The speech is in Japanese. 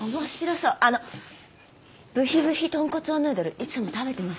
あのぶひぶひ豚骨王ヌードルいつも食べてます。